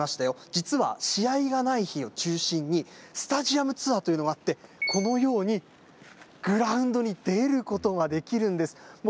実は、試合がない日を中心にスタジアムツアーというのもあって、このようにグラウンドに出ることができるんです。